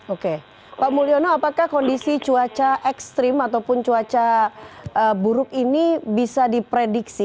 oke pak mulyono apakah kondisi cuaca ekstrim ataupun cuaca buruk ini bisa diprediksi